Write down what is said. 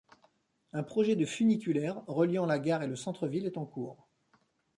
Un projet de funiculaire reliant la gare et le centre ville est en cours.